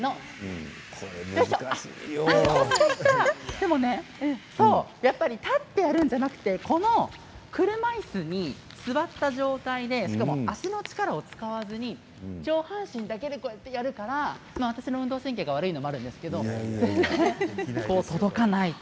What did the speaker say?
でもね、やっぱり立ってやるんじゃなくてこの車いすに座った状態でしかも足の力を使わずに上半身だけでこうやってやるから私の運動神経が悪いのもあるんですけど届かないと。